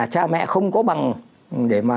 cha mẹ không có bằng để mà